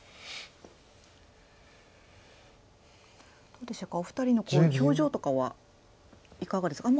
どうでしょうかお二人の表情とかはいかがですか？